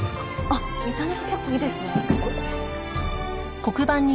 あっ見た目は結構いいですね。